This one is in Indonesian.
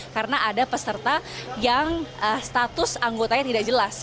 karena ada peserta yang status anggotanya tidak jelas